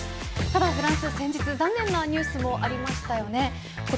ただフランス、先日残念なニュースもありましたよね。